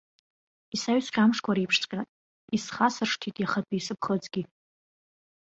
Исаҩсхьоу амшқәа реиԥшҵәҟьа, инасхасыршҭит иахатәи сыԥхыӡгьы.